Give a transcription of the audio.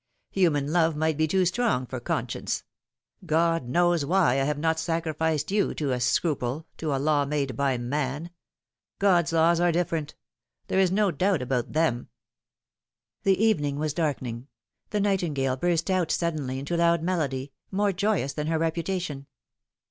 Human love might be too strong for con science. God knows I would not have sacrificed you to a scruple to a law made by man. God's laws are different. There is no doubt about them." The evening was darkening. The nightingale burst out suddenly into loud melody, more joyous than her reputation.